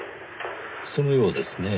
そのようですねぇ。